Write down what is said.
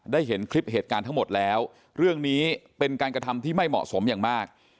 เห็นคลิปเหตุการณ์ทั้งหมดแล้วเรื่องนี้เป็นการกระทำที่ไม่เหมาะสมอย่างมาก